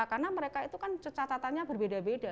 karena mereka itu kan cacatannya berbeda beda